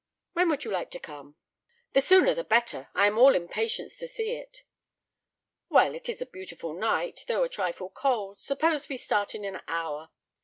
"When would you like to come?" "The sooner the better. I am all impatience to see it." "Well, it is a beautiful night—though a trifle cold. Suppose we start in an hour.